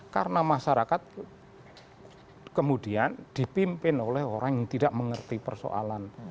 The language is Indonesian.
karena masyarakat kemudian dipimpin oleh orang yang tidak mengerti persoalan